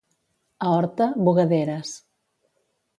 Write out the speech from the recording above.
A Horta, bugaderes.